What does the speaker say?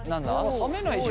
冷めないじゃん。